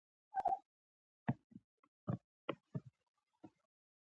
ډګروال فریدګل ته په کوچ د کېناستلو وویل